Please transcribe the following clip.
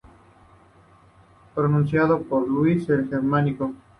Pronunciado por Luis el Germánico.